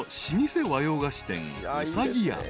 ［老舗和洋菓子店］